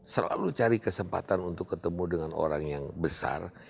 selalu cari kesempatan untuk ketemu dengan orang yang besar